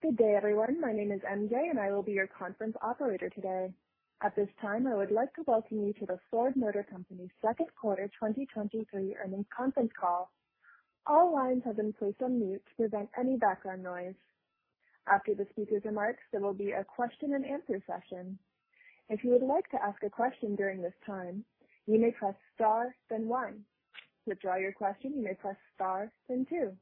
Good day, everyone. My name is MJ, and I will be your conference operator today. At this time, I would like to welcome you to the Ford Motor Company Second Quarter 2023 Earnings Conference Call. All lines have been placed on mute to prevent any background noise. After the speaker's remarks, there will be a question and answer session. If you would like to ask a question during this time, you may press star then one. To withdraw your question, you may press star then two.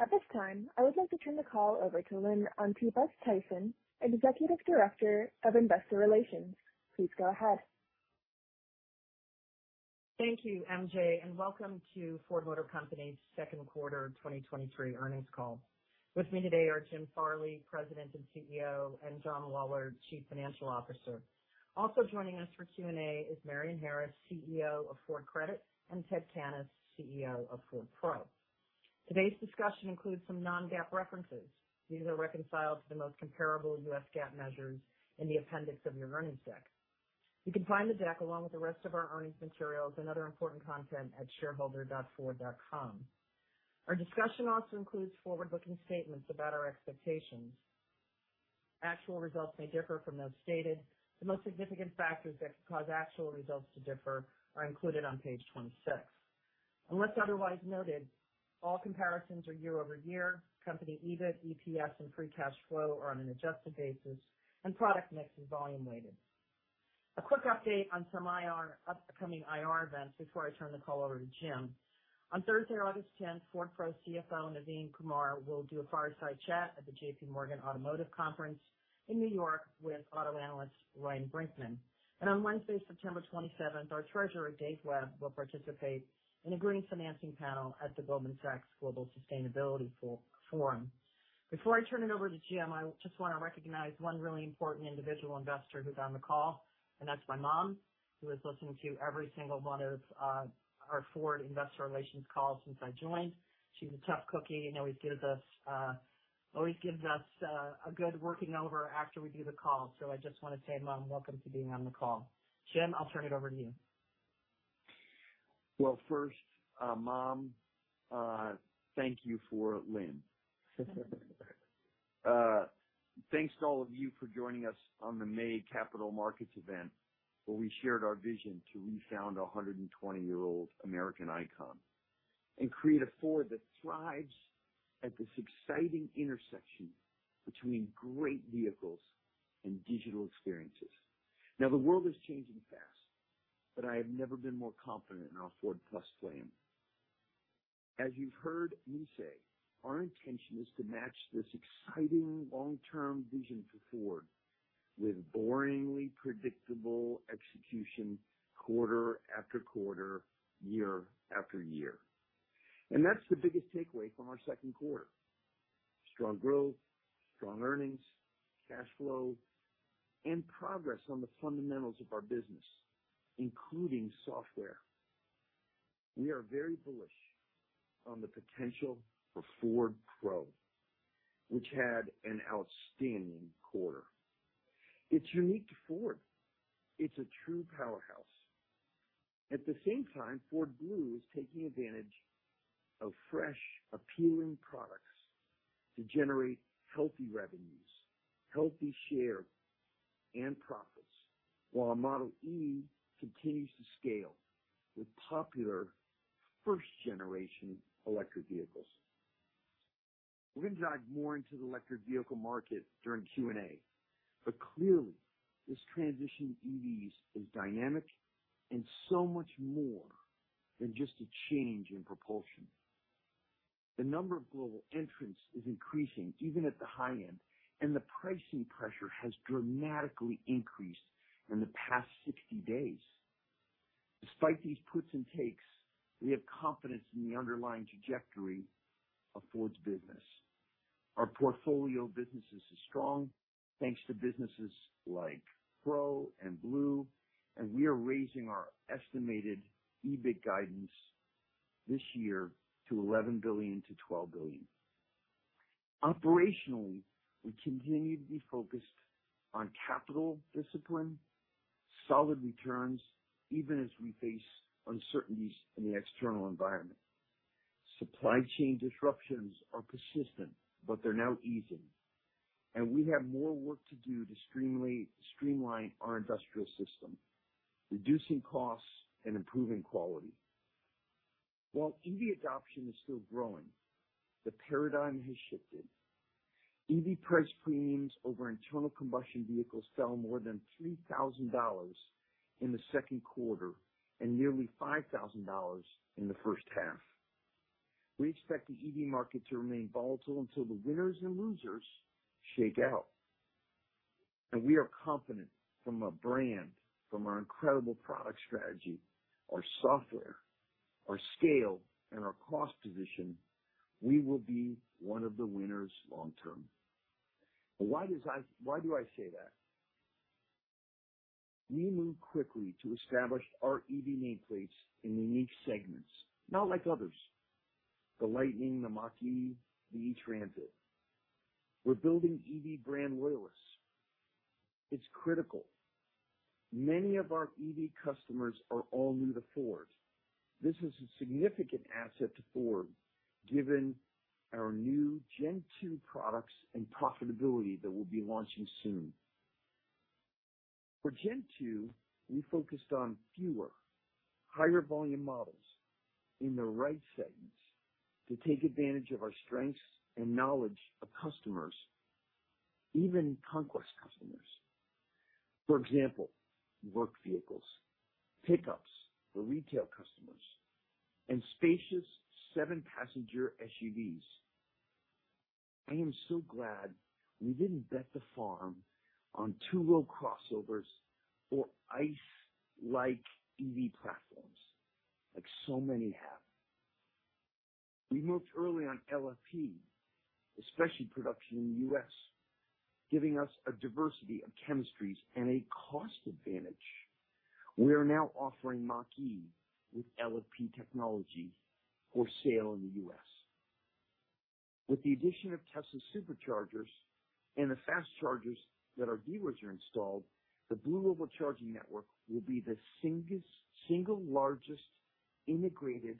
At this time, I would like to turn the call over to Lynn Antipas Tyson, Executive Director of Investor Relations. Please go ahead. Thank you, MJ, welcome to Ford Motor Company's second quarter 2023 earnings call. With me today are Jim Farley, President and CEO, and John Lawler, Chief Financial Officer. Also joining us for Q&A is Marion Harris, CEO of Ford Credit, and Ted Cannis, CEO of Ford Pro. Today's discussion includes some Non-GAAP references. These are reconciled to the most comparable U.S. GAAP measures in the appendix of your earnings deck. You can find the deck along with the rest of our earnings materials and other important content at shareholder.ford.com. Our discussion also includes forward-looking statements about our expectations. Actual results may differ from those stated. The most significant factors that could cause actual results to differ are included on Page 26. Unless otherwise noted, all comparisons are year-over-year. Company EBIT, EPS, and free cash flow are on an adjusted basis, and product mix is volume-weighted. A quick update on some IR... upcoming IR events before I turn the call over to Jim. On Thursday, August 10th, Ford Pro's CFO, Naveen Kumar, will do a fireside chat at the J.P. Morgan Automotive Conference in New York with auto analyst, Ryan Brinkman. On Wednesday, September 27th, our Treasurer, Dave Webb, will participate in a green financing panel at the Goldman Sachs Global Sustainability Forum. Before I turn it over to Jim, I just want to recognize one really important individual investor who's on the call, and that's my Mom, who has listened to every single one of our Ford Investor Relations calls since I joined. She's a tough cookie, and always gives us, always gives us a good working over after we do the call. I just want to say, Mom, welcome to being on the call. Jim, I'll turn it over to you. Well, first, Lynn, thank you for Lynn. Thanks to all of you for joining us on the May Capital Markets event, where we shared our vision to refound a 120-year-old American icon and create a Ford that thrives at this exciting intersection between great vehicles and digital experiences. Now, the world is changing fast, but I have never been more confident in our Ford+ plan. As you've heard me say, our intention is to match this exciting long-term vision for Ford with boringly predictable execution quarter after quarter, year after year. That's the biggest takeaway from our second quarter: strong growth, strong earnings, cash flow, and progress on the fundamentals of our business, including software. We are very bullish on the potential for Ford Pro, which had an outstanding quarter. It's unique to Ford. It's a true powerhouse. At the same time, Ford Blue is taking advantage of fresh, appealing products to generate healthy revenues, healthy share, and profits, while our Ford Model e continues to scale with popular first-generation electric vehicles. We're going to dive more into the electric vehicle market during Q&A, Clearly, this transition to EVs is dynamic and so much more than just a change in propulsion. The number of global entrants is increasing, even at the high end, and the pricing pressure has dramatically increased in the past 60 days. Despite these puts and takes, we have confidence in the underlying trajectory of Ford's business. Our portfolio of businesses is strong, thanks to businesses like Ford Pro and Ford Blue, and we are raising our estimated EBIT guidance this year to $11 billion-$12 billion. Operationally, we continue to be focused on capital discipline, solid returns, even as we face uncertainties in the external environment. Supply chain disruptions are persistent, but they're now easing, and we have more work to do to streamline our industrial system, reducing costs and improving quality. While EV adoption is still growing, the paradigm has shifted. EV price premiums over internal combustion vehicles fell more than $3,000 in the second quarter and nearly $5,000 in the first half. We expect the EV market to remain volatile until the winners and losers shake out, and we are confident from our brand, from our incredible product strategy, our software, our scale, and our cost position, we will be one of the winners long term. Why do I say that? We moved quickly to establish our EV nameplates in unique segments, not like others. The Lightning, the Mach-E, the E-Transit. We're building EV brand loyalists. It's critical. Many of our EV customers are all new to Ford. This is a significant asset to Ford, given our new Gen 2 products and profitability that we'll be launching soon. For Gen 2, we focused on fewer, higher volume models in the right segments to take advantage of our strengths and knowledge of customers, even conquest customers. For example, work vehicles, pickups for retail customers, and spacious 7-passenger SUVs. I am so glad we didn't bet the farm on 2-wheel crossovers or ICE-like EV platforms, like so many have. We moved early on LFP, especially production in the U.S., giving us a diversity of chemistries and a cost advantage. We are now offering Mach-E with LFP technology for sale in the U.S. With the addition of Tesla Superchargers and the fast chargers that our dealers are installed, the Blue Oval charging network will be the single largest integrated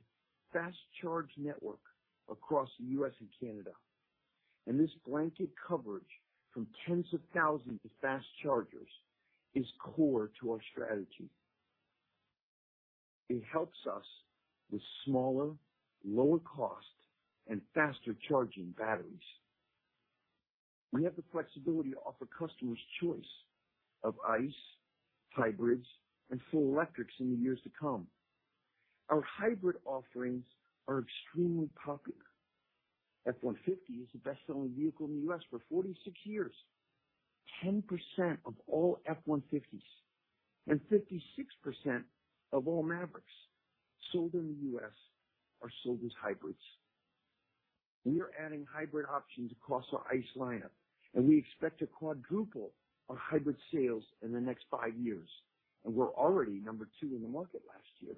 fast charge network across the U.S. and Canada. This blanket coverage from tens of thousands of fast chargers is core to our strategy. It helps us with smaller, lower cost and faster charging batteries. We have the flexibility to offer customers choice of ICE, hybrids, and full electrics in the years to come. Our hybrid offerings are extremely popular. F-150 is the best-selling vehicle in the U.S. for 46 years. 10% of all F-150s and 56% of all Mavericks sold in the U.S. are sold as hybrids. We are adding hybrid options across our ICE lineup. We expect to quadruple our hybrid sales in the next 5 years. We're already number 2 in the market last year.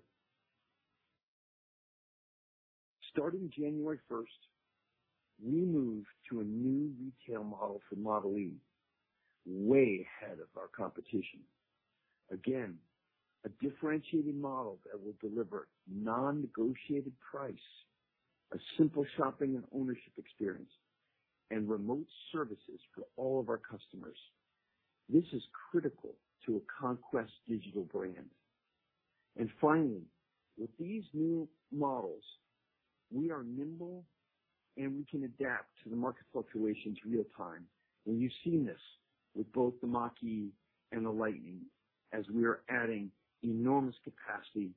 Starting January first, we move to a new retail model for Ford Model e, way ahead of our competition. Again, a differentiating model that will deliver non-negotiated price, a simple shopping and ownership experience, and remote services for all of our customers. This is critical to a conquest digital brand. Finally, with these new models, we are nimble, and we can adapt to the market fluctuations real-time. You've seen this with both the Mach-E and the Lightning as we are adding enormous capacity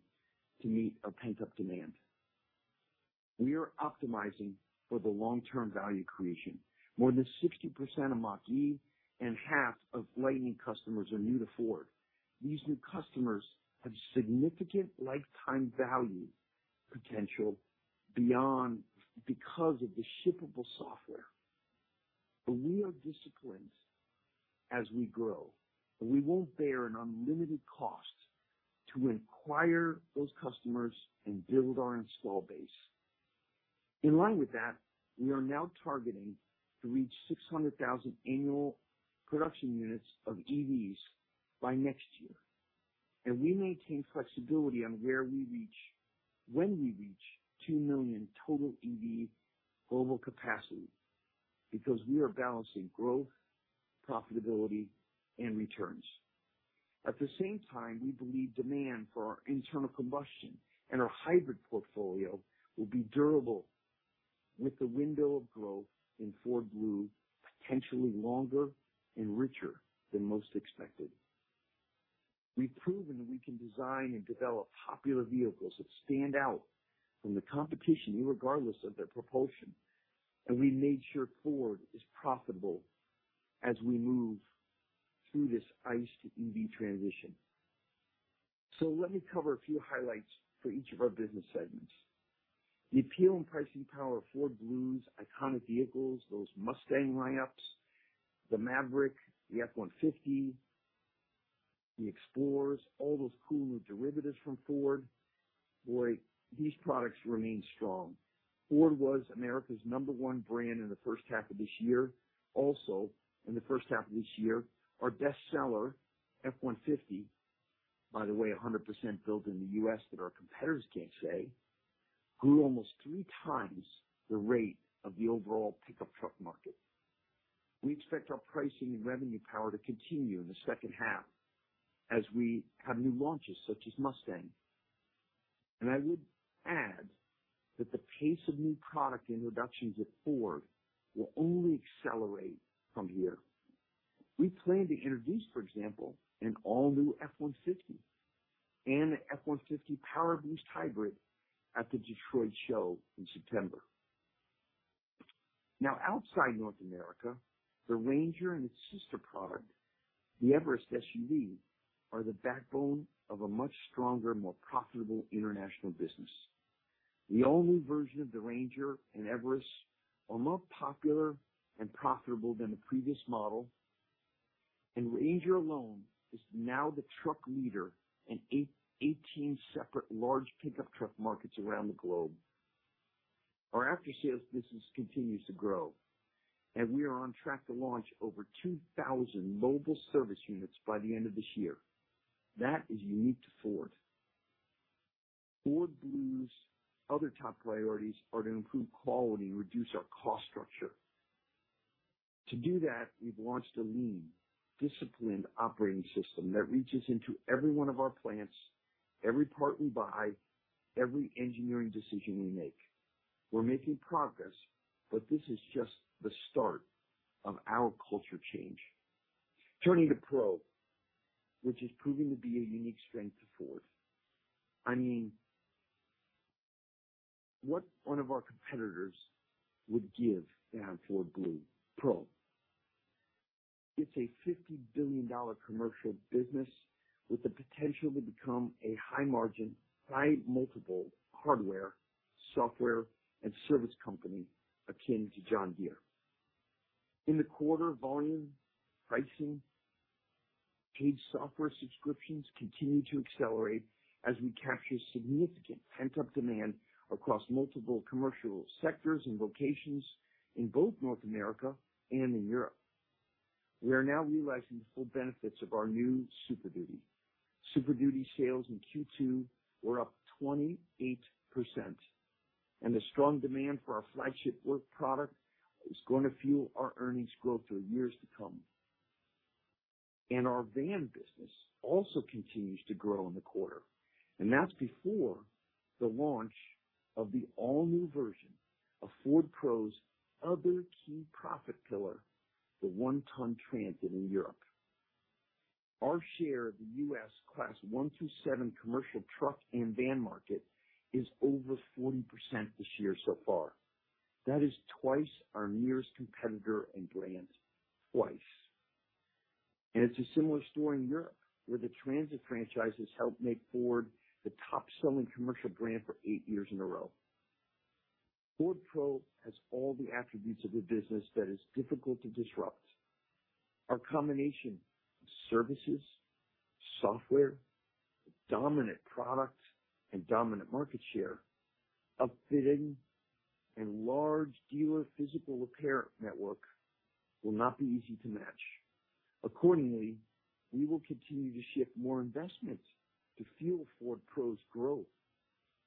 to meet a pent-up demand. We are optimizing for the long-term value creation. More than 60% of Mach-E and half of Lightning customers are new to Ford. These new customers have significant lifetime value potential beyond... because of the shippable software. We are disciplined as we grow, and we won't bear an unlimited cost to acquire those customers and build our install base. In line with that, we are now targeting to reach 600,000 annual production units of EVs by next year, and we maintain flexibility on where we reach, when we reach 2 million total EV global capacity, because we are balancing growth, profitability, and returns. At the same time, we believe demand for our internal combustion and our hybrid portfolio will be durable, with the window of growth in Ford Blue potentially longer and richer than most expected. We've proven that we can design and develop popular vehicles that stand out from the competition, irregardless of their propulsion, and we made sure Ford is profitable as we move through this ICE to EV transition. Let me cover a few highlights for each of our business segments. The appeal and pricing power of Ford Blue's iconic vehicles, those Mustang lineups, the Maverick, the F-150, the Explorers, all those cool new derivatives from Ford, boy, these products remain strong. Ford was America's number one brand in the first half of this year. Also, in the first half of this year, our best seller, F-150, by the way, 100% built in the U.S., that our competitors can't say, grew almost three times the rate of the overall pickup truck market. We expect our pricing and revenue power to continue in the second half as we have new launches such as Mustang. I would add that the pace of new product introductions at Ford will only accelerate from here. We plan to introduce, for example, an all-new F-150 and F-150 PowerBoost hybrid at the Detroit show in September. Outside North America, the Ranger and its sister product, the Everest SUV, are the backbone of a much stronger, more profitable international business. The all-new version of the Ranger and Everest are more popular and profitable than the previous model. Ranger alone is now the truck leader in 18 separate large pickup truck markets around the globe. Our after-sales business continues to grow. We are on track to launch over 2,000 mobile service units by the end of this year. That is unique to Ford. Ford Blue's other top priorities are to improve quality and reduce our cost structure. To do that, we've launched a lean, disciplined operating system that reaches into every one of our plants, every part we buy, every engineering decision we make. We're making progress. This is just the start of our culture change. Turning to Pro, which is proving to be a unique strength to Ford. I mean, what one of our competitors would give to have Ford Blue Pro? It's a $50 billion commercial business with the potential to become a high-margin, high-multiple hardware, software, and service company akin to John Deere. In the quarter, volume, pricing, paid software subscriptions continued to accelerate as we capture significant pent-up demand across multiple commercial sectors and locations in both North America and in Europe. We are now realizing the full benefits of our new Super Duty. Super Duty sales in Q2 were up 28%, the strong demand for our flagship work product is going to fuel our earnings growth for years to come. Our van business also continues to grow in the quarter, and that's before the launch of the all-new version of Ford Pro's other key profit pillar, the one-ton Transit in Europe. Our share of the U.S. Class 1 through 7 commercial truck and van market is over 40% this year so far. That is twice our nearest competitor in brands. Twice. It's a similar story in Europe, where the Transit franchise has helped make Ford the top-selling commercial brand for 8 years in a row. Ford Pro has all the attributes of a business that is difficult to disrupt. Our combination of services, software, dominant product, and dominant market share, upfitting, and large dealer physical repair network will not be easy to match. Accordingly, we will continue to shift more investments to fuel Ford Pro's growth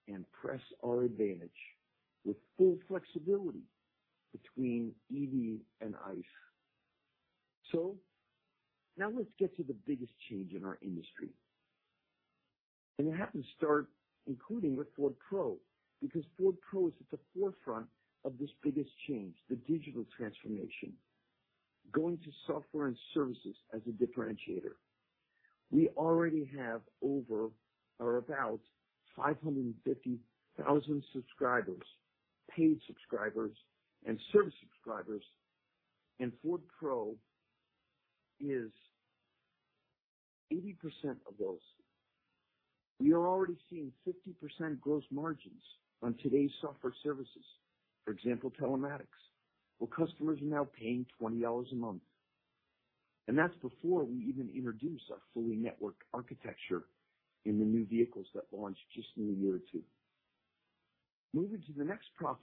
and press our advantage with full flexibility between EV and ICE. Now let's get to the biggest change in our industry, and it happens to start, including with Ford Pro, because Ford Pro is at the forefront of this biggest change, the digital transformation, going to software and services as a differentiator. We already have over or about 550,000 subscribers, paid subscribers and service subscribers, and Ford Pro is 80% of those. We are already seeing 50% gross margins on today's software services, for example, telematics, where customers are now paying $20 a month. That's before we even introduce our fully networked architecture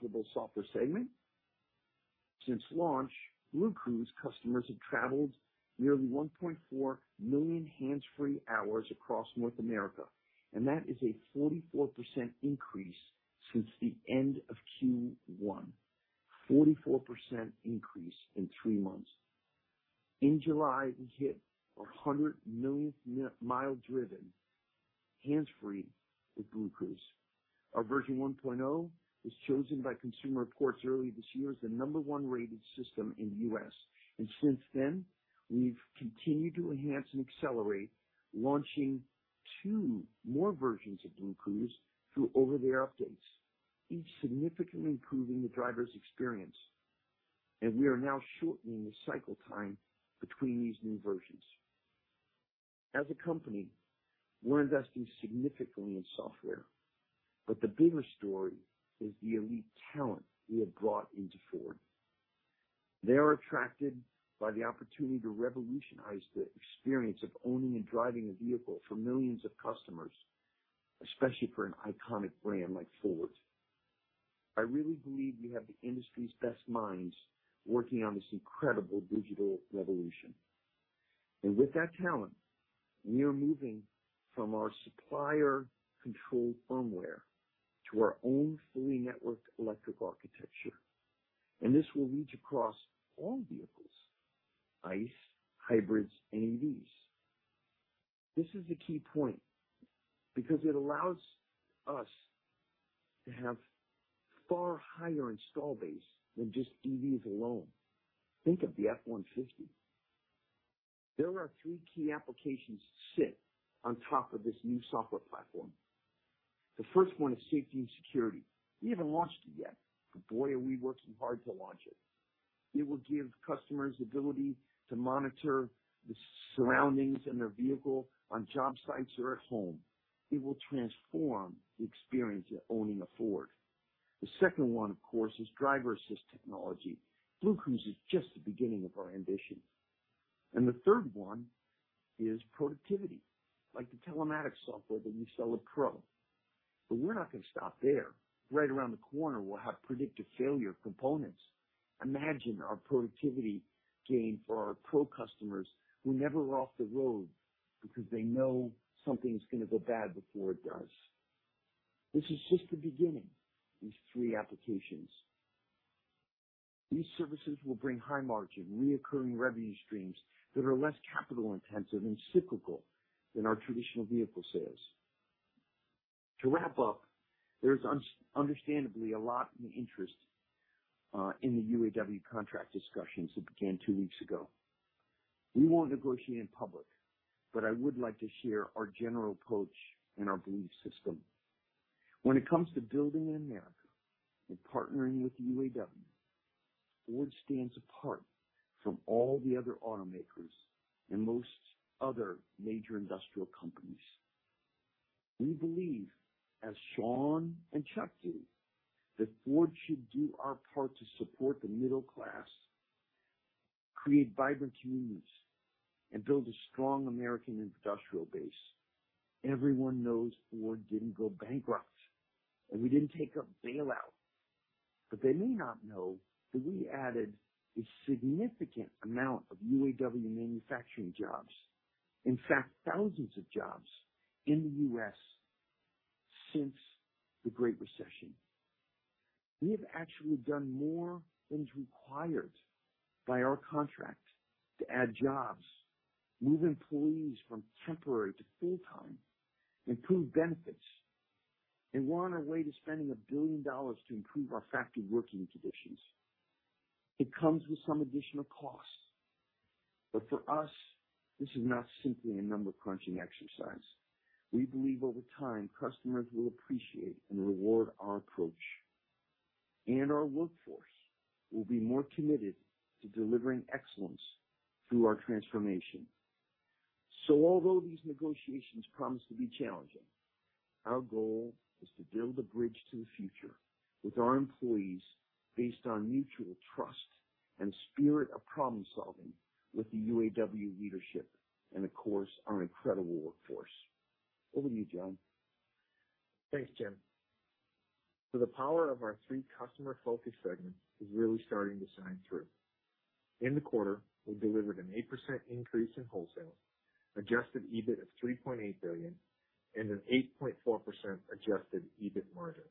in the new vehicles that launch just in a year or two. Moving to the next profitable software segment. Since launch, BlueCruise customers have traveled nearly 1.4 million hands-free hours across North America, and that is a 44% increase since the end of Q1. 44% increase in 3 months. In July, we hit our 100 millionth mile driven hands-free with BlueCruise. Our version 1.0 was chosen by Consumer Reports early this year as the number 1-rated system in the U.S. Since then, we've continued to enhance and accelerate, launching 2 more versions of BlueCruise through over-the-air updates, each significantly improving the driver's experience. We are now shortening the cycle time between these new versions. As a company, we're investing significantly in software, but the bigger story is the elite talent we have brought into Ford. They are attracted by the opportunity to revolutionize the experience of owning and driving a vehicle for millions of customers, especially for an iconic brand like Ford. I really believe we have the industry's best minds working on this incredible digital revolution. With that talent, we are moving from our supplier-controlled firmware to our own fully networked electric architecture. This will reach across all vehicles, ICE, hybrids, and EVs. This is a key point because it allows us to have far higher install base than just EVs alone. Think of the F-150. There are three key applications sit on top of this new software platform. The first one is safety and security. We haven't launched it yet, but boy, are we working hard to launch it. It will give customers the ability to monitor the surroundings and their vehicle on job sites or at home. It will transform the experience of owning a Ford. The second one, of course, is driver-assist technology. BlueCruise is just the beginning of our ambition. The third one is productivity, like the telematics software that we sell at Pro. We're not gonna stop there. Right around the corner, we'll have predictive failure components. Imagine our productivity gain for our Pro customers who never are off the road because they know something's gonna go bad before it does. This is just the beginning, these three applications. These services will bring high margin, recurring revenue streams that are less capital intensive and cyclical than our traditional vehicle sales. To wrap up, there's understandably a lot in the interest in the UAW contract discussions that began two weeks ago. We won't negotiate in public, but I would like to share our general approach and our belief system. When it comes to building in America and partnering with the UAW, Ford stands apart from all the other automakers and most other major industrial companies. We believe, as Shawn and Chuck do, that Ford should do our part to support the middle class, create vibrant communities, and build a strong American industrial base. Everyone knows Ford didn't go bankrupt, and we didn't take a bailout, but they may not know that we added a significant amount of UAW manufacturing jobs, in fact, thousands of jobs in the U.S. since the Great Recession. We have actually done more than is required by our contract to add jobs, move employees from temporary to full-time, improve benefits, and we're on our way to spending $1 billion to improve our factory working conditions. It comes with some additional costs, but for us, this is not simply a number crunching exercise. We believe over time, customers will appreciate and reward our approach, and our workforce will be more committed to delivering excellence through our transformation. Although these negotiations promise to be challenging, our goal is to build a bridge to the future with our employees based on mutual trust and spirit of problem-solving with the UAW leadership and of course, our incredible workforce. Over to you, John. Thanks, Jim. The power of our three customer-focused segments is really starting to shine through. In the quarter, we delivered an 8% increase in wholesale, adjusted EBIT of $3.8 billion and an 8.4% adjusted EBIT margin.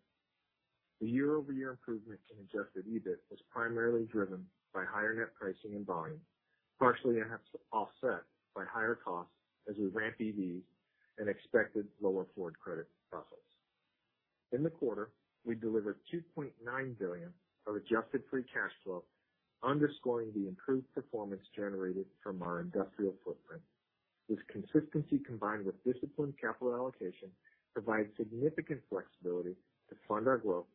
The year-over-year improvement in adjusted EBIT was primarily driven by higher net pricing and volume, partially offset by higher costs as we ramp EVs and expected lower Ford Credit profits. In the quarter, we delivered $2.9 billion of adjusted free cash flow, underscoring the improved performance generated from our industrial footprint. This consistency, combined with disciplined capital allocation, provides significant flexibility to fund our growth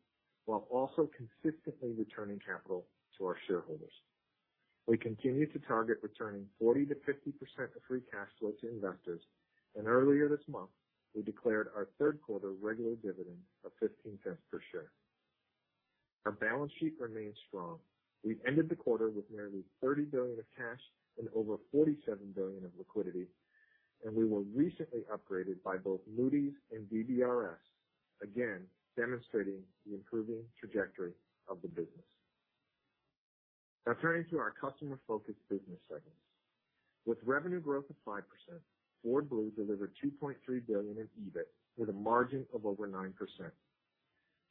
while also consistently returning capital to our shareholders. We continue to target returning 40%-50% of free cash flow to investors, and earlier this month, we declared our third quarter regular dividend of $0.15 per share. Our balance sheet remains strong. We've ended the quarter with nearly $30 billion of cash and over $47 billion of liquidity. We were recently upgraded by both Moody's and DBRS, again, demonstrating the improving trajectory of the business. Turning to our customer-focused business segments. With revenue growth of 5%, Ford Blue delivered $2.3 billion in EBIT with a margin of over 9%.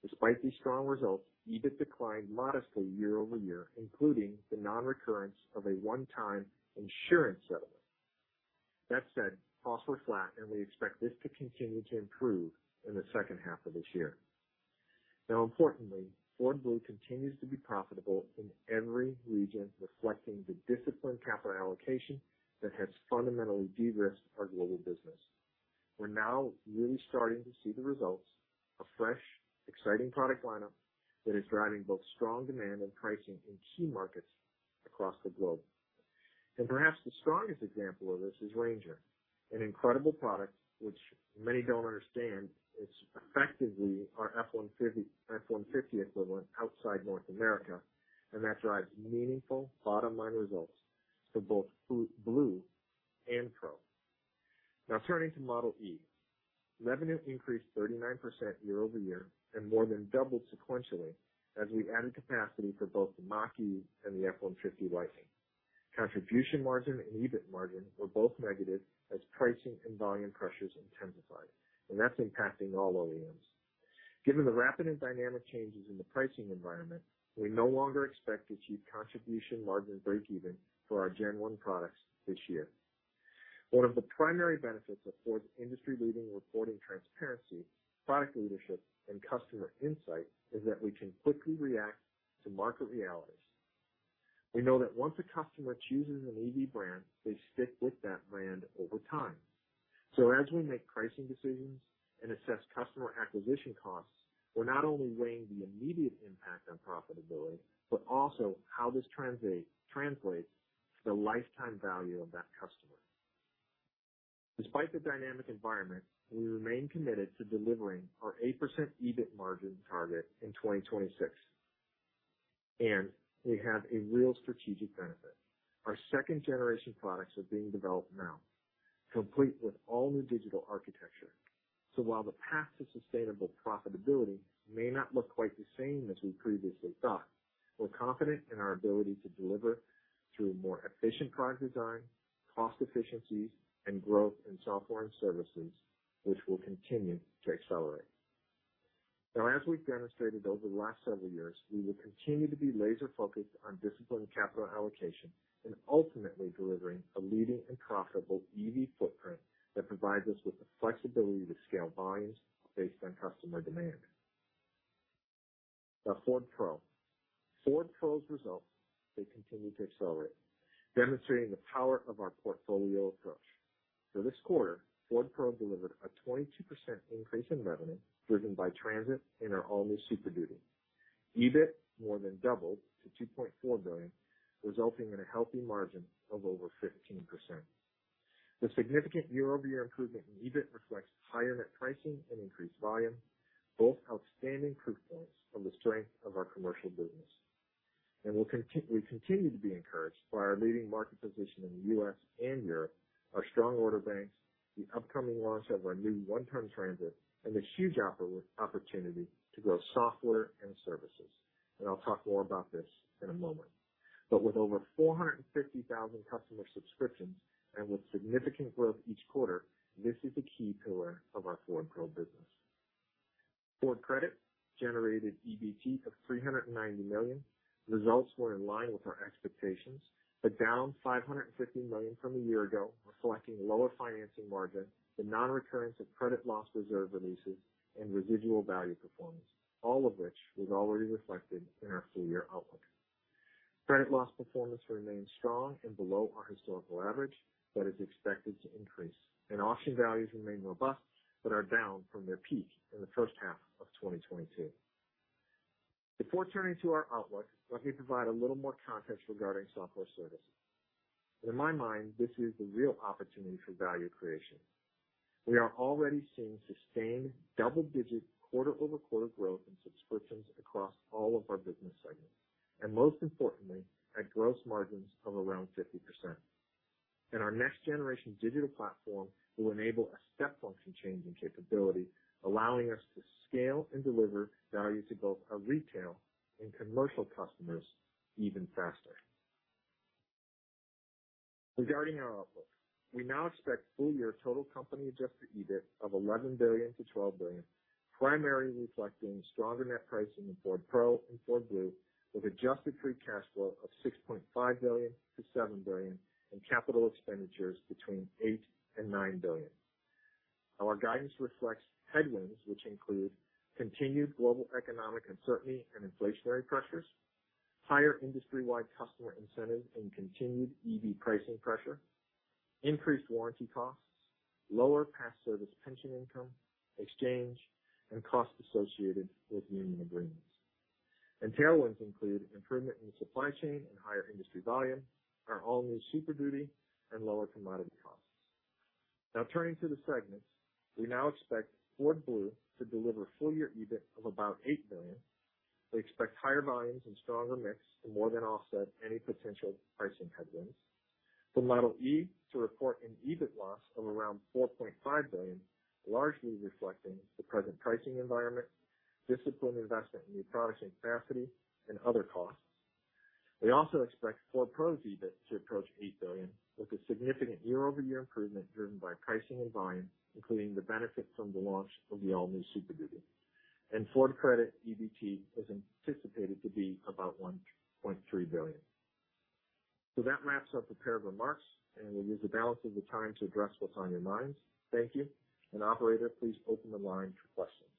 Despite these strong results, EBIT declined modestly year-over-year, including the non-recurrence of a one-time insurance settlement. That said, costs were flat and we expect this to continue to improve in the second half of this year. Importantly, Ford Blue continues to be profitable in every region, reflecting the disciplined capital allocation that has fundamentally de-risked our global business. We're now really starting to see the results of fresh, exciting product lineup that is driving both strong demand and pricing in key markets across the globe. Perhaps the strongest example of this is Ranger, an incredible product, which many don't understand, is effectively our F-150, F-150 equivalent outside North America, and that drives meaningful bottom-line results for both Ford Blue and Ford Pro. Turning to Ford Model e. Revenue increased 39% year over year and more than doubled sequentially as we added capacity for both the Mach-E and the F-150 Lightning. Contribution margin and EBIT margin were both negative as pricing and volume pressures intensified, and that's impacting all OEMs. Given the rapid and dynamic changes in the pricing environment, we no longer expect to achieve contribution margin breakeven for our Gen 1 products this year. One of the primary benefits of Ford's industry-leading reporting transparency, product leadership, and customer insight is that we can quickly react to market realities. We know that once a customer chooses an EV brand, they stick with that brand over time. As we make pricing decisions and assess customer acquisition costs, we're not only weighing the immediate impact on profitability, but also how this translates to the lifetime value of that customer. Despite the dynamic environment, we remain committed to delivering our 8% EBIT margin target in 2026. We have a real strategic benefit. Our second-generation products are being developed now, complete with all-new digital architecture. While the path to sustainable profitability may not look quite the same as we previously thought, we're confident in our ability to deliver through more efficient product design, cost efficiencies, and growth in software and services, which will continue to accelerate. As we've demonstrated over the last several years, we will continue to be laser-focused on disciplined capital allocation and ultimately delivering a leading and profitable EV footprint that provides us with the flexibility to scale volumes based on customer demand. Ford Pro. Ford Pro's results, they continue to accelerate, demonstrating the power of our portfolio approach. For this quarter, Ford Pro delivered a 22% increase in revenue, driven by Transit and our all-new Super Duty. EBIT more than doubled to $2.4 billion, resulting in a healthy margin of over 15%. The significant year-over-year improvement in EBIT reflects higher net pricing and increased volume, both outstanding proof points from the strength of our commercial business. We continue to be encouraged by our leading market position in the U.S. and Europe, our strong order banks, the upcoming launch of our new one-ton Transit, and the huge opportunity to grow software and services, and I'll talk more about this in a moment. With over 450,000 customer subscriptions and with significant growth each quarter, this is a key pillar of our Ford Pro business. Ford Credit generated EBT of $390 million. Results were in line with our expectations, but down $550 million from a year ago, reflecting lower financing margins, the non-recurrence of credit loss reserve releases and residual value performance, all of which was already reflected in our full-year outlook. Credit loss performance remains strong and below our historical average, but is expected to increase, and auction values remain robust, but are down from their peak in the first half of 2022. Before turning to our outlook, let me provide a little more context regarding software service. In my mind, this is the real opportunity for value creation. We are already seeing sustained double-digit, quarter-over-quarter growth in subscriptions across all of our business segments, and most importantly, at gross margins of around 50%. Our next-generation digital platform will enable a step function change in capability, allowing us to scale and deliver value to both our retail and commercial customers even faster. Regarding our outlook, we now expect full-year total company adjusted EBIT of $11 billion-$12 billion, primarily reflecting stronger net pricing in Ford Pro and Ford Blue, with adjusted free cash flow of $6.5 billion-$7 billion and capital expenditures between $8 billion and $9 billion. Our guidance reflects headwinds, which include continued global economic uncertainty and inflationary pressures, higher industry-wide customer incentives and continued EV pricing pressure, increased warranty costs, lower past service pension income, exchange, and costs associated with union agreements. Tailwinds include improvement in supply chain and higher industry volume, our all-new Super Duty and lower commodity costs. Now, turning to the segments. We now expect Ford Blue to deliver full-year EBIT of about $8 billion. We expect higher volumes and stronger mix to more than offset any potential pricing headwinds. The Model e to report an EBIT loss of around $4.5 billion, largely reflecting the present pricing environment, disciplined investment in new product and capacity and other costs. We also expect Ford Pro's EBIT to approach $8 billion, with a significant year-over-year improvement driven by pricing and volume, including the benefit from the launch of the all-new Super Duty. Ford Credit EBT is anticipated to be about $1.3 billion. That wraps up the prepared remarks, and we'll use the balance of the time to address what's on your minds. Thank you. Operator, please open the line for questions.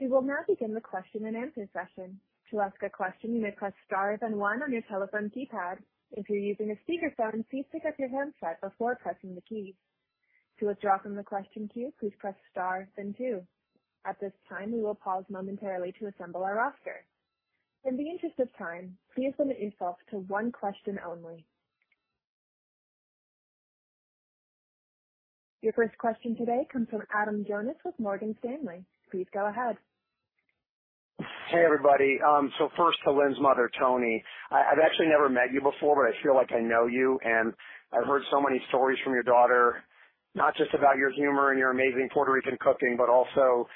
We will now begin the question-and-answer session. To ask a question, you may press star then 1 on your telephone keypad. If you're using a speakerphone, please pick up your handset before pressing the key. To withdraw from the question queue, please press star then 2. At this time, we will pause momentarily to assemble our roster. In the interest of time, please limit yourself to 1 question only. Your first question today comes from Adam Jonas with Morgan Stanley. Please go ahead. Hey, everybody. First to Lynn's mother, Toni, I, I've actually never met you before, but I feel like I know you, and I've heard so many stories from your daughter, not just about your humor and your amazing Puerto Rican cooking, but also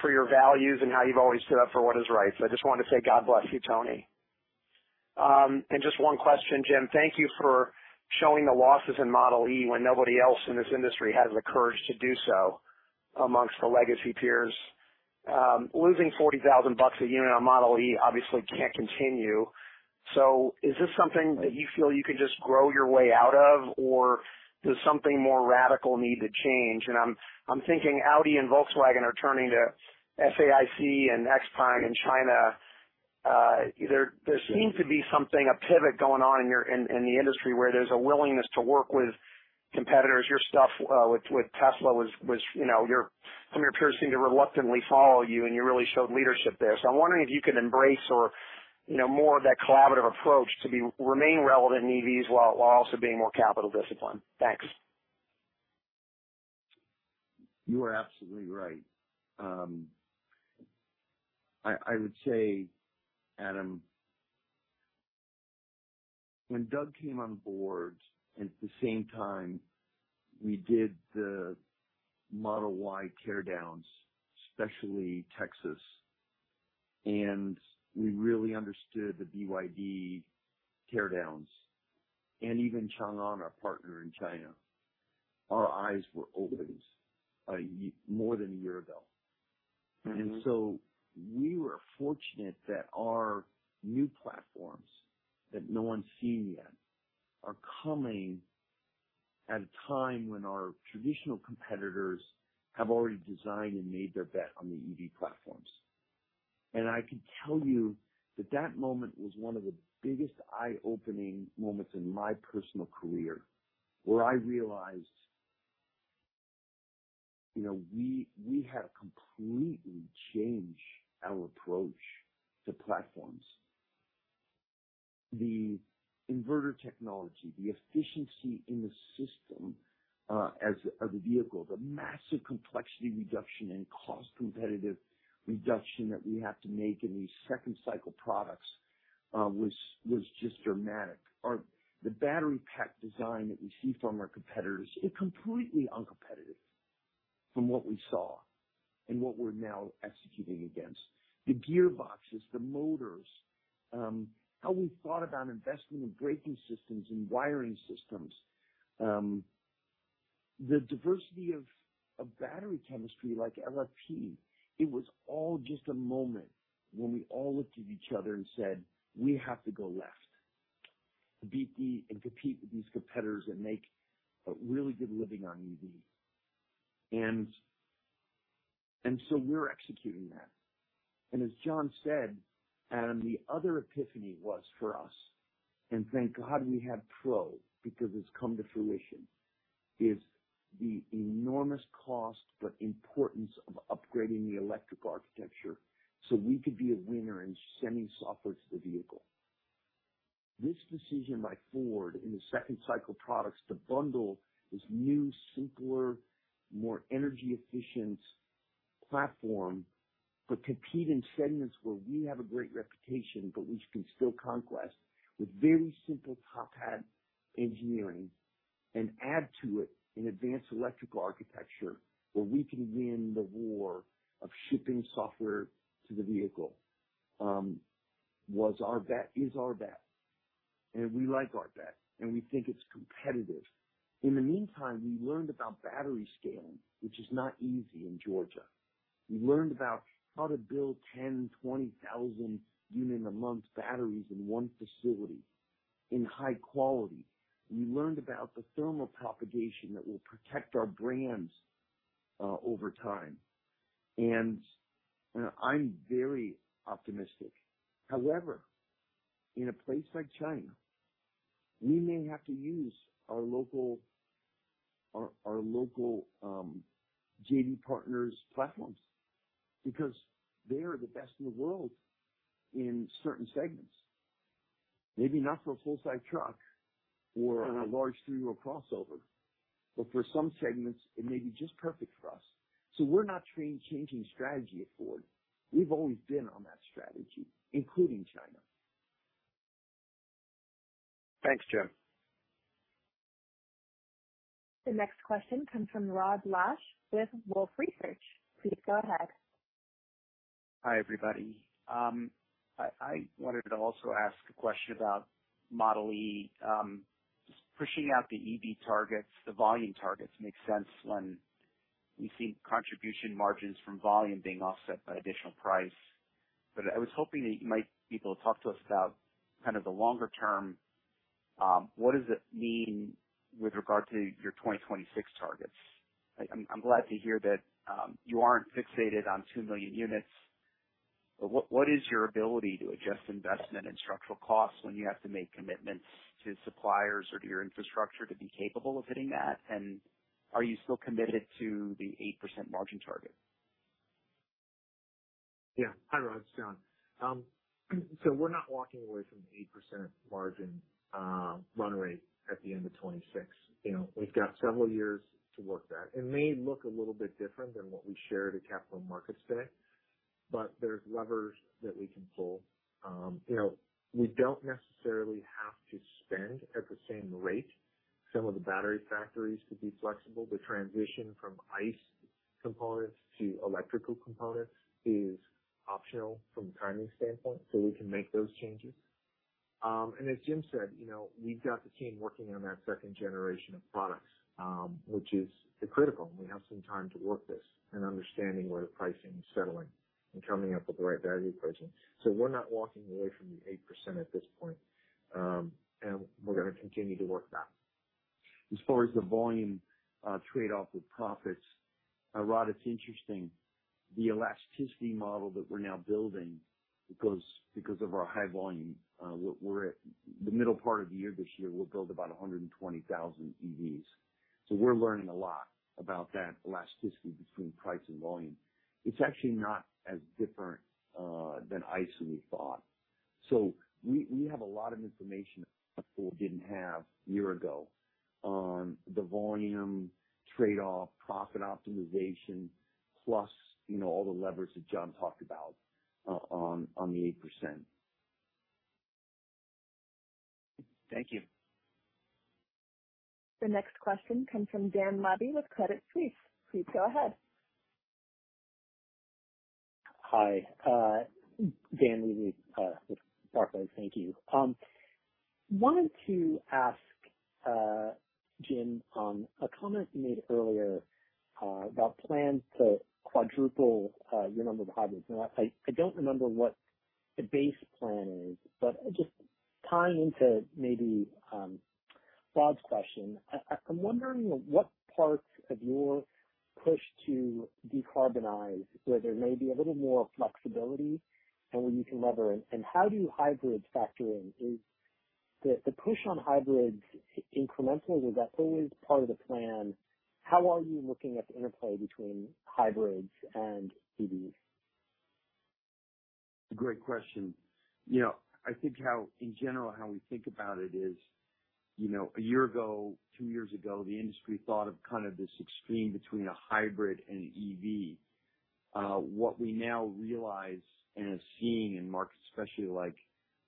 for your values and how you've always stood up for what is right. I just wanted to say God bless you, Toni. Just one question, Jim. Thank you for showing the losses in Model e when nobody else in this industry has the courage to do so amongst the legacy peers. Losing $40,000 bucks a unit on Model e obviously can't continue. Is this something that you feel you can just grow your way out of, or does something more radical need to change? I'm, I'm thinking Audi and Volkswagen are turning to SAIC and XPeng in China. There, there seems to be something, a pivot going on in your, in, in the industry where there's a willingness to work with competitors. Your stuff, with, with Tesla was, was, you know, Some of your peers seem to reluctantly follow you. You really showed leadership there. I'm wondering if you can embrace, you know, more of that collaborative approach to be, remain relevant in EVs, while, while also being more capital disciplined. Thanks. You are absolutely right. I, I would say, Adam, when Doug came on board, at the same time, we did the Model Y teardowns, especially Texas. We really understood the BYD teardowns and even Changan, our partner in China. Our eyes were opened more than a year ago. Mm-hmm. We were fortunate that our new platforms that no one's seen yet are coming at a time when our traditional competitors have already designed and made their bet on the EV platforms. I can tell you that that moment was one of the biggest eye-opening moments in my personal career, where I realized, you know, we, we had to completely change our approach to platforms. The inverter technology, the efficiency in the system, as a vehicle, the massive complexity reduction and cost competitive reduction that we have to make in these second cycle products, was just dramatic. The battery pack design that we see from our competitors is completely uncompetitive from what we saw and what we're now executing against. The gearboxes, the motors, how we thought about investing in braking systems and wiring systems. The diversity of, of battery chemistry like LFP, it was all just a moment when we all looked at each other and said, "We have to go left to beat the... and compete with these competitors and make a really good living on EV." We're executing that. As John said, Adam, the other epiphany was for us, and thank God we had Pro, because it's come to fruition, is the enormous cost, but importance of upgrading the electric architecture, so we could be a winner in sending software to the vehicle. This decision by Ford in the second cycle products to bundle this new, simpler, more energy efficient platform, but compete in segments where we have a great reputation, but we can still conquest with very simple top hat engineering and add to it an advanced electrical architecture where we can win the war of shipping software to the vehicle, was our bet, is our bet, and we like our bet, and we think it's competitive. In the meantime, we learned about battery scaling, which is not easy in Georgia. We learned about how to build 10,000 unit, 20,000 unit a month batteries in one facility in high quality. We learned about the thermal propagation that will protect our brands over time, and I'm very optimistic. However, in a place like China, we may have to use our local, our local JV partners' platforms, because they are the best in the world in certain segments. Maybe not for a full-size truck or on a large three-row crossover, but for some segments it may be just perfect for us. We're not changing strategy at Ford. We've always been on that strategy, including China. Thanks, Jim. The next question comes from Rod Lache with Wolfe Research. Please go ahead. Hi, everybody. I, I wanted to also ask a question about Model e. Pushing out the EV targets, the volume targets make sense when we've seen contribution margins from volume being offset by additional price. I was hoping that you might be able to talk to us about kind of the longer term, what does it mean with regard to your 2026 targets? I'm glad to hear that, you aren't fixated on 2 million units, but what, what is your ability to adjust investment and structural costs when you have to make commitments to suppliers or to your infrastructure to be capable of hitting that? Are you still committed to the 8% margin target? Yeah. Hi, Rod, it's John. We're not walking away from the 8% margin run rate at the end of 2026. You know, we've got several years to work that. It may look a little bit different than what we shared at Capital Markets Day, but there's levers that we can pull. You know, we don't necessarily have to spend at the same rate some of the battery factories to be flexible. The transition from ICE components to electrical components is optional from a timing standpoint, so we can make those changes. As Jim said, you know, we've got the team working on that second generation of products, which is critical, and we have some time to work this and understanding where the pricing is settling and coming up with the right value pricing. We're not walking away from the 8% at this point, and we're gonna continue to work that. As far as the volume, trade-off with profits, Rod, it's interesting, the elasticity model that we're now building because, because of our high volume, we're at the middle part of the year, this year, we'll build about 120,000 EVs. We're learning a lot about that elasticity between price and volume. It's actually not as different than ICE than we thought. We, we have a lot of information that Ford didn't have a year ago on the volume trade-off, profit optimization, plus, you know, all the levers that John talked about on the 8%. Thank you. The next question comes from Dan Levy with Credit Suisse. Please go ahead. Hi, Dan Levy, with Barclays. Thank you. wanted to ask Jim a comment you made earlier about plans to quadruple your number of hybrids. I, I don't remember what the base plan is, but just tying into maybe Bob's question, I, I'm wondering what parts of your push to decarbonize, where there may be a little more flexibility and where you can lever, and how do hybrids factor in? Is the, the push on hybrids incremental, or is that always part of the plan? How are you looking at the interplay between hybrids and EVs? Great question. You know, I think how in general, how we think about it is, you know, a year ago, two years ago, the industry thought of kind of this extreme between a hybrid and an EV. What we now realize and are seeing in markets, especially like,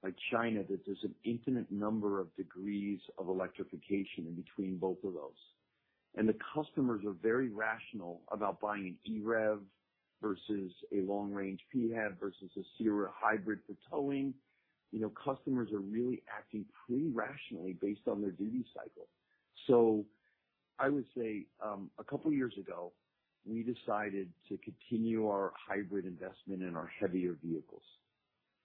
like China, that there's an infinite number of degrees of electrification in between both of those. The customers are very rational about buying an EREV versus a long range PHEV versus a F-Series hybrid for towing. You know, customers are really acting pretty rationally based on their duty cycle. I would say, a couple years ago, we decided to continue our hybrid investment in our heavier vehicles,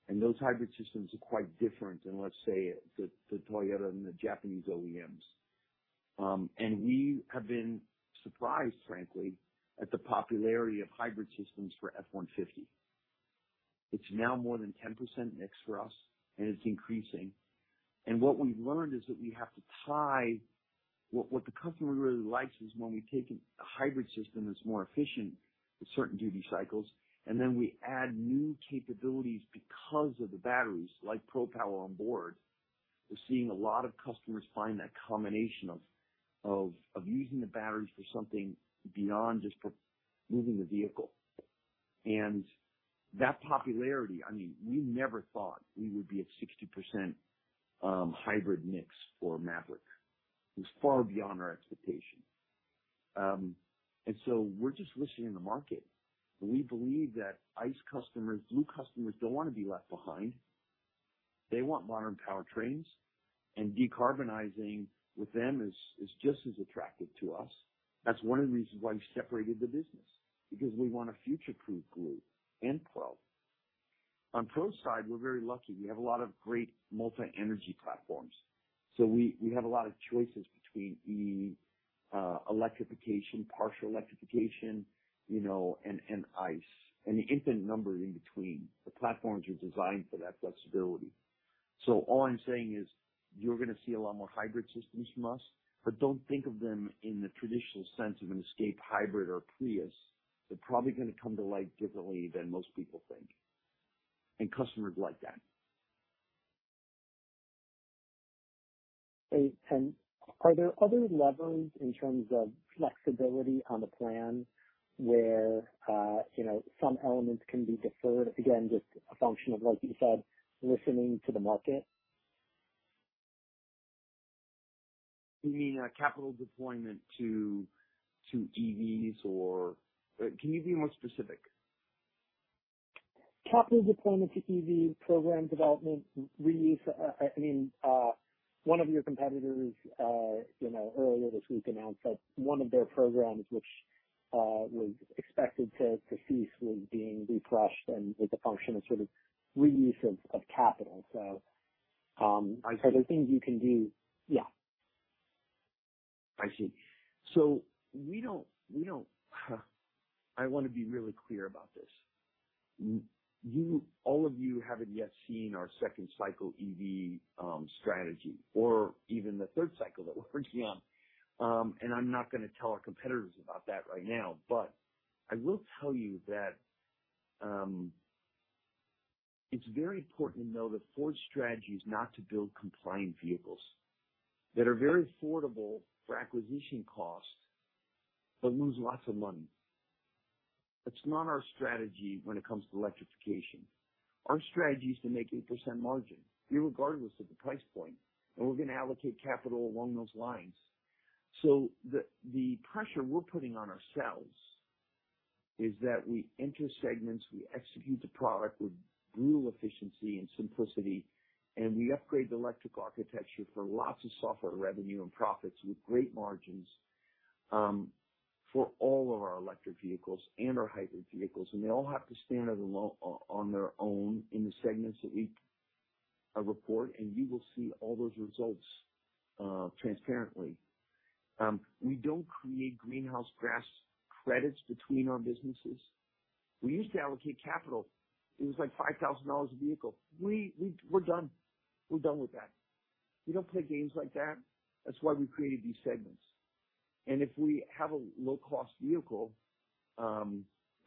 and those hybrid systems are quite different than, let's say, the, the Toyota and the Japanese OEMs. We have been surprised, frankly, at the popularity of hybrid systems for F-150. It's now more than 10% mix for us, and it's increasing. What we've learned is that we have to tie... What the customer really likes is when we take a hybrid system that's more efficient with certain duty cycles, and then we add new capabilities because of the batteries, like Pro Power Onboard. We're seeing a lot of customers find that combination of using the batteries for something beyond just for moving the vehicle. That popularity, I mean, we never thought we would be at 60% hybrid mix for Maverick. It's far beyond our expectation. We're just listening to the market, and we believe that ICE customers, Blue customers, don't want to be left behind. They want modern powertrains, and decarbonizing with them is just as attractive to us. That's one of the reasons why we separated the business, because we want a future-proof Blue and Pro. On Pro's side, we're very lucky. We have a lot of great multi-energy platforms, so we have a lot of choices between EV, electrification, partial electrification, you know, and ICE, and the infinite numbers in between. The platforms are designed for that flexibility. All I'm saying is you're gonna see a lot more hybrid systems from us, but don't think of them in the traditional sense of an Escape Hybrid or a Prius. They're probably gonna come to light differently than most people think, and customers like that. Great, are there other levers in terms of flexibility on the plan where, you know, some elements can be deferred? Again, just a function of, like you said, listening to the market. You mean, capital deployment to, to EVs? Or, can you be more specific? Capital deployment to EV program development, reuse. I, I mean, one of your competitors, you know, earlier this week announced that one of their programs, which, was expected to, to cease, was being refreshed and with a function of sort of reuse of, of capital. So, I see. Are there things you can do? Yeah. I see. We don't, we don't, I wanna be really clear about this. You, all of you haven't yet seen our second cycle EV strategy or even the third cycle that we're working on. I'm not gonna tell our competitors about that right now, but I will tell you that it's very important to know that Ford's strategy is not to build compliant vehicles that are very affordable for acquisition cost but lose lots of money. That's not our strategy when it comes to electrification. Our strategy is to make 8% margin, regardless of the price point, and we're gonna allocate capital along those lines. The, the pressure we're putting on ourselves is that we enter segments, we execute the product with brutal efficiency and simplicity, and we upgrade the electric architecture for lots of software revenue and profits, with great margins, for all of our electric vehicles and our hybrid vehicles, and they all have to stand on their own in the segments that we report, and you will see all those results transparently. We don't create greenhouse gas credits between our businesses. We used to allocate capital. It was like $5,000 a vehicle. We, we're done. We're done with that. We don't play games like that. That's why we created these segments. If we have a low-cost vehicle,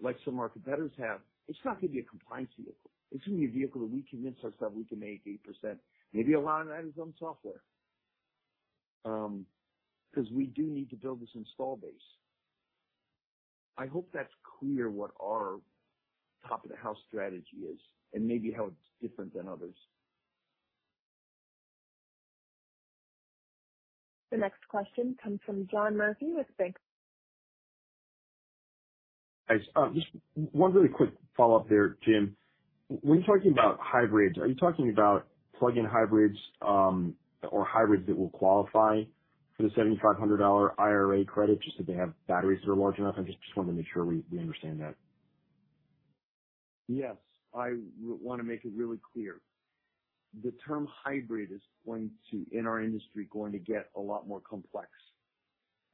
like some of our competitors have, it's not gonna be a compliance vehicle. It's gonna be a vehicle that we convince ourselves we can make 8%, maybe a lot of that is on software. 'Cause we do need to build this install base. I hope that's clear what our top-of-the-house strategy is and maybe how it's different than others. The next question comes from John Murphy with Bank of America Thanks. Just one really quick follow-up there, Jim. When you're talking about hybrids, are you talking about plug-in hybrids, or hybrids that will qualify for the $7,500 IRA credit, just that they have batteries that are large enough? I just wanted to make sure we understand that. Yes, I wanna make it really clear. The term hybrid is going to, in our industry, going to get a lot more complex.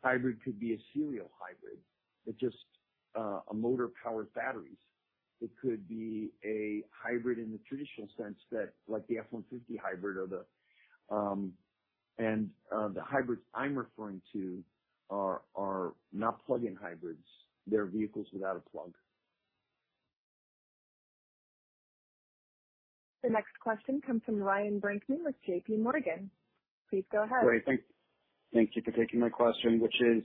Hybrid could be a serial hybrid. It's just a motor-powered batteries. It could be a hybrid in the traditional sense that like the F-150 hybrid or the... And the hybrids I'm referring to are, are not plug-in hybrids. They're vehicles without a plug. The next question comes from Ryan Brinkman with J.P. Morgan. Please go ahead. Great. Thank, thank you for taking my question, which is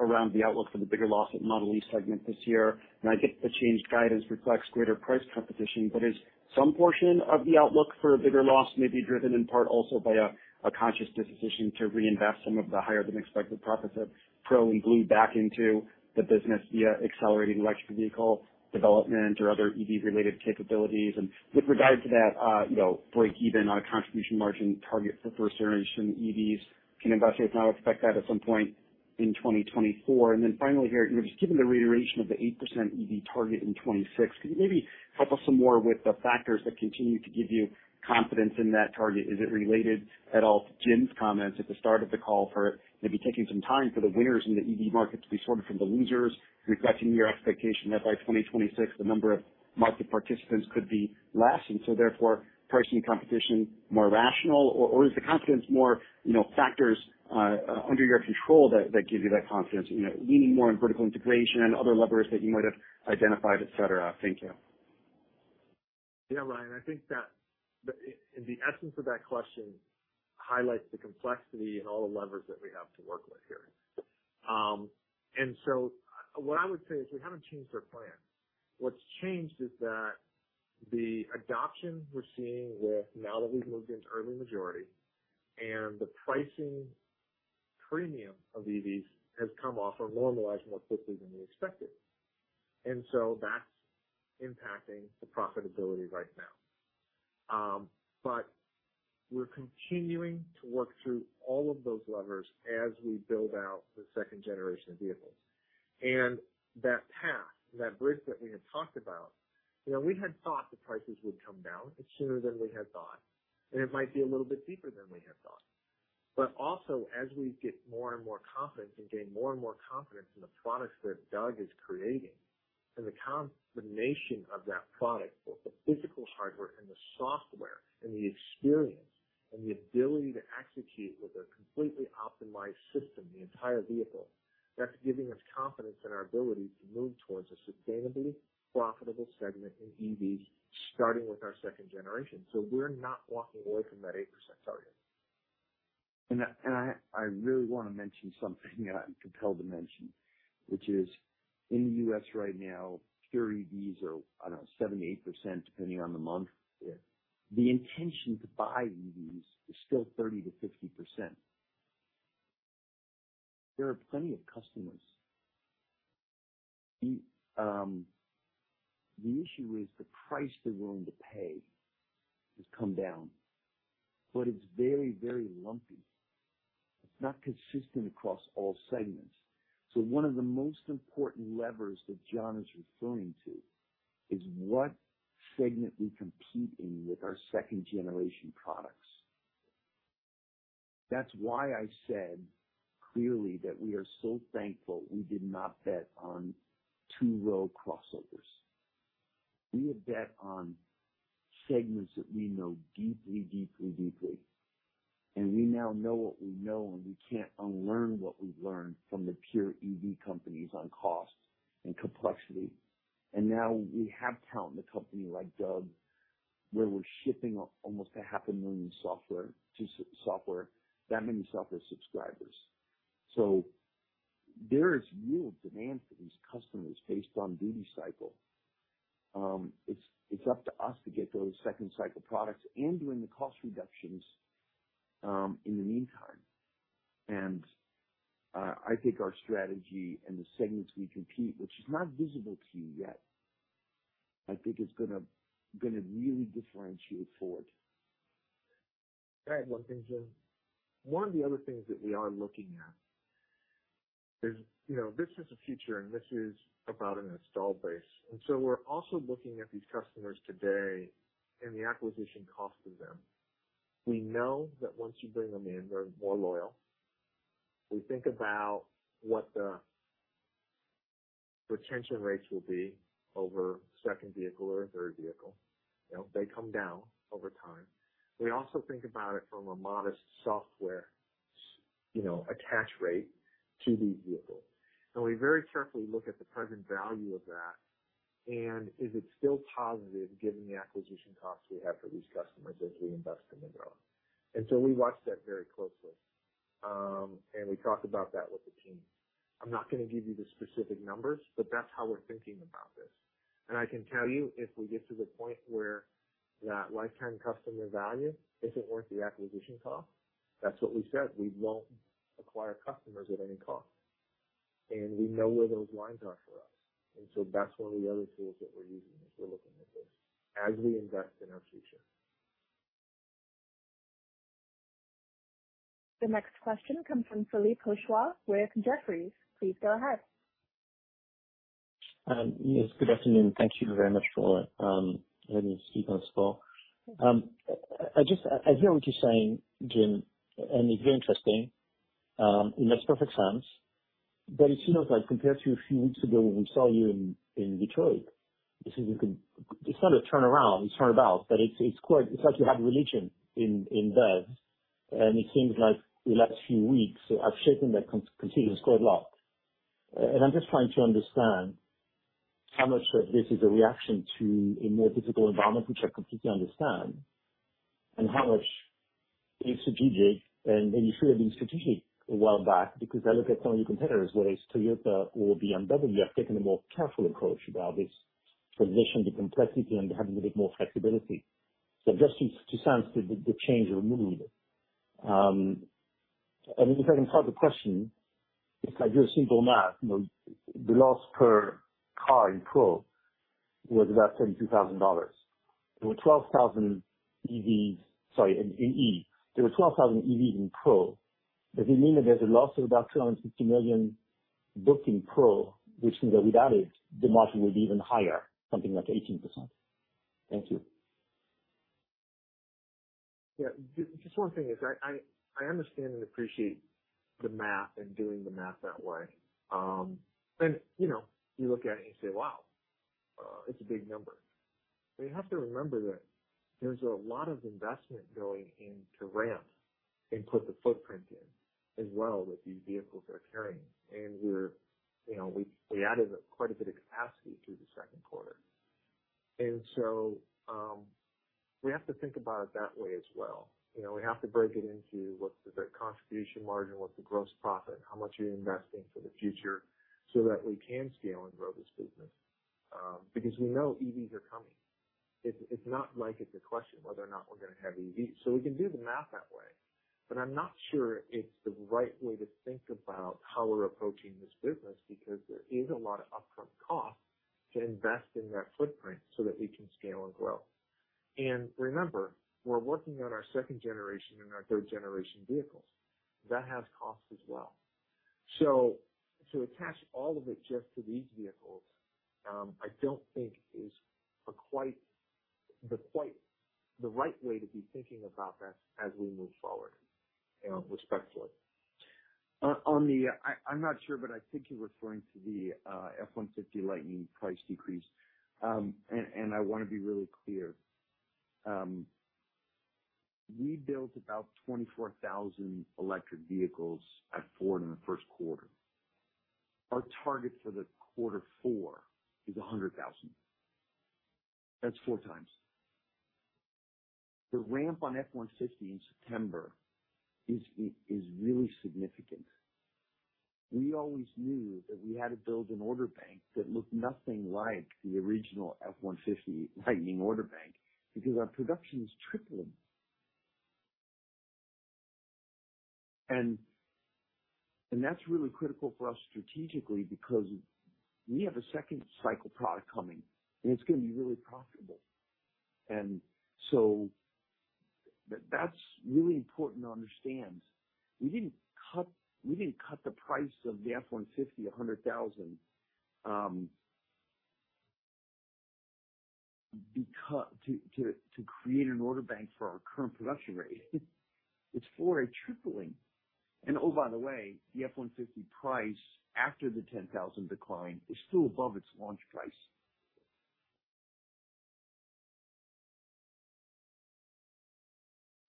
around the outlook for the bigger loss at Ford Model e segment this year. I get the changed guidance reflects greater price competition, but is some portion of the outlook for a bigger loss may be driven in part also by a, a conscious decision to reinvest some of the higher-than-expected profits of Ford Pro and Ford Blue back into the business via accelerating electric vehicle development or other EV-related capabilities? With regard to that, you know, break even on a contribution margin target for Gen 1 EVs, can investors now expect that at some point in 2024? Finally here, you know, just given the reiteration of the 8% EV target in 2026, could you maybe help us some more with the factors that continue to give you confidence in that target? Is it related at all to Jim's comments at the start of the call for maybe taking some time for the winners in the EV market to be sorted from the losers, reflecting your expectation that by 2026, the number of market participants could be lasting, so therefore pricing competition more rational? Is the confidence more, you know, factors under your control that, that give you that confidence, you know, leaning more on vertical integration and other levers that you might have identified, et cetera. Thank you. Yeah, Ryan, I think that the, the essence of that question highlights the complexity and all the levers that we have to work with here. What I would say is we haven't changed our plan. What's changed is that the adoption we're seeing with now that we've moved into early majority, and the pricing premium of EVs has come off or normalized more quickly than we expected. That's impacting the profitability right now. We're continuing to work through all of those levers as we build out the second generation of vehicles. That path, that bridge that we had talked about, you know, we had thought the prices would come down sooner than we had thought, and it might be a little bit deeper than we had thought. Also, as we get more and more confident and gain more and more confidence in the products that Doug is creating, and the combination of that product, both the physical hardware and the software, and the experience and the ability to execute with a completely optimized system, the entire vehicle, that's giving us confidence in our ability to move towards a sustainably profitable segment in EVs, starting with our second generation. We're not walking away from that 8% target. I really wanna mention something that I'm compelled to mention, which is in the U.S. right now, pure EVs are, I don't know, 78%, depending on the month. Yeah. The intention to buy EVs is still 30%-50%. There are plenty of customers. The issue is the price they're willing to pay has come down, but it's very, very lumpy. It's not consistent across all segments. One of the most important levers that John is referring to is what segment we compete in with our second-generation products. That's why I said clearly that we are so thankful we did not bet on two-row crossovers. We have bet on segments that we know deeply, deeply, deeply, and we now know what we know, and we can't unlearn what we've learned from the pure EV companies on cost and complexity. Now we have talent in the company like Doug, where we're shipping almost 500,000 software to software, that many software subscribers. There is real demand for these customers based on duty cycle. It's, it's up to us to get those second cycle products and doing the cost reductions, in the meantime. I think our strategy and the segments we compete, which is not visible to you yet, I think is gonna, gonna really differentiate Ford. I have one thing, Jim. One of the other things that we are looking at is, you know, this is the future, and this is about an installed base. So we're also looking at these customers today and the acquisition cost of them. We know that once you bring them in, they're more loyal. We think about what the retention rates will be over second vehicle or a third vehicle. You know, they come down over time. We also think about it from a modest software you know, attach rate to these vehicles. We very carefully look at the present value of that, and is it still positive given the acquisition costs we have for these customers as we invest in the growth? So we watch that very closely. We talk about that with the team. I'm not going to give you the specific numbers, but that's how we're thinking about this. I can tell you, if we get to the point where that lifetime customer value isn't worth the acquisition cost, that's what we said. We won't acquire customers at any cost, and we know where those lines are for us. That's one of the other tools that we're using as we're looking at this, as we invest in our future. The next question comes from Philippe Houchois with Jefferies. Please go ahead. Yes, good afternoon. Thank you very much for letting me speak on this call. I hear what you're saying, Jim, and it's very interesting. It makes perfect sense, but it seems like compared to a few weeks ago when we saw you in, in Detroit, this is a con... It's not a turnaround, it's turned about, but it's, it's like you had a religion in, in devs, and it seems like the last few weeks have shaken that con- considerably, quite a lot. I'm just trying to understand how much of this is a reaction to a more difficult environment, which I completely understand, and how much is strategic? You should have been strategic a while back because I look at some of your competitors, whereas Toyota or BMW have taken a more careful approach about this transition to complexity and having a bit more flexibility. Just to, to sense the, the change of mood. If I can part the question, if I do a simple math, you know, the loss per car in Pro was about $32,000. There were 12,000 EVs... Sorry, in, in E. There were 12,000 EVs in Pro. Does it mean that there's a loss of about $250 million booked in Pro, which means that without it, the margin would be even higher, something like 18%? Thank you. Yeah. Just one thing is I, I, I understand and appreciate the math and doing the math that way. You know, you look at it and you say, "Wow, it's a big number." You have to remember that there's a lot of investment going into ramp and put the footprint in as well with these vehicles that are carrying. We're, you know, we, we added quite a bit of capacity through the second quarter. We have to think about it that way as well. You know, we have to break it into what's the contribution margin, what's the gross profit, how much are you investing for the future so that we can scale and grow this business? Because we know EVs are coming. It, it's not like it's a question whether or not we're going to have EVs. We can do the math that way, but I'm not sure it's the right way to think about how we're approaching this business, because there is a lot of upfront cost to invest in that footprint so that we can scale and grow. Remember, we're working on our second generation and our third generation vehicles. That has costs as well. To attach all of it just to these vehicles, I don't think is quite the right way to be thinking about this as we move forward, you know, respectfully. On the... I, I'm not sure, but I think you're referring to the F-150 Lightning price decrease. And, and I want to be really clear. We built about 24,000 electric vehicles at Ford in the first quarter. Our target for the quarter four is 100,000. That's four times. The ramp on F-150 in September is really significant. We always knew that we had to build an order bank that looked nothing like the original F-150 Lightning order bank, because our production is tripling. That's really critical for us strategically, because we have a second cycle product coming, and it's going to be really profitable. That's really important to understand. We didn't cut, we didn't cut the price of the F-150 $100,000 to create an order bank for our current production rate. It's for a tripling. Oh, by the way, the F-150 price after the $10,000 decline is still above its launch price.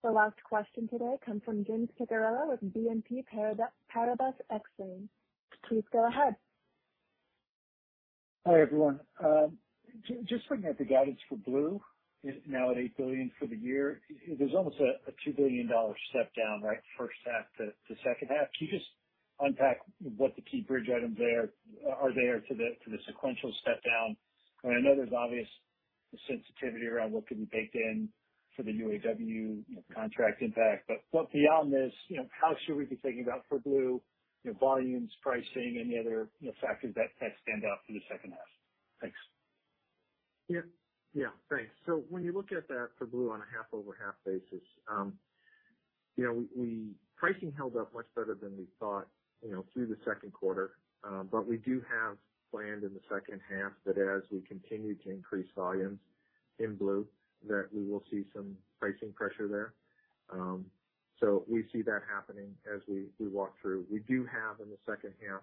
The last question today comes from Jim Picariello with BNP Paribas Exane. Please go ahead. Hi, everyone. Just bringing up the guidance for Blue, is now at $8 billion for the year. There's almost a $2 billion step down, right, first half to second half. Can you just unpack what the key bridge items there, are there for the, for the sequential step down? I know there's obvious sensitivity around what can be baked in for the UAW, you know, contract impact. Beyond this, you know, how should we be thinking about for Blue, you know, volumes, pricing, any other, you know, factors that, that stand out for the second half? Thanks. Yeah. Yeah, thanks. When you look at that Ford Blue on a half-over-half basis, you know, we Pricing held up much better than we thought, you know, through the second quarter. We do have planned in the second half that as we continue to increase volumes in Ford Blue, that we will see some pricing pressure there. We see that happening as we, we walk through. We do have, in the second half,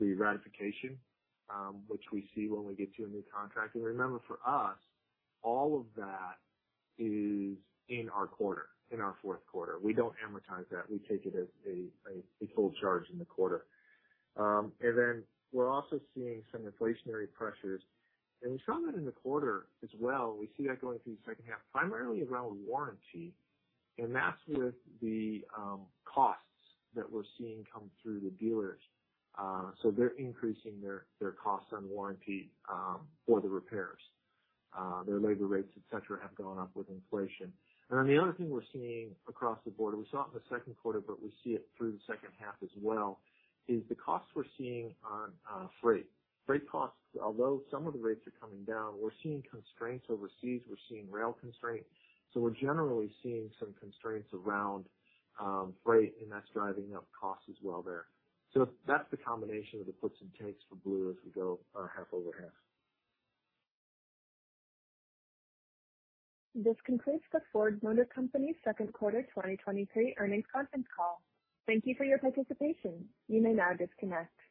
the ratification, which we see when we get to a new contract. Remember, for us, all of that is in our quarter, in our fourth quarter. We don't amortize that. We take it as a full charge in the quarter. Then we're also seeing some inflationary pressures, and we saw that in the quarter as well. We see that going through the second half, primarily around warranty, and that's with the costs that we're seeing come through the dealers. They're increasing their, their costs on warranty for the repairs. Their labor rates, et cetera, have gone up with inflation. The other thing we're seeing across the board, and we saw it in the second quarter, but we see it through the second half as well, is the costs we're seeing on freight. Freight costs, although some of the rates are coming down, we're seeing constraints overseas, we're seeing rail constraints. We're generally seeing some constraints around freight, and that's driving up costs as well there. That's the combination of the puts and takes for Ford Blue as we go half over half. This concludes the Ford Motor Company Second Quarter 2023 Earnings Conference Call. Thank you for your participation. You may now disconnect.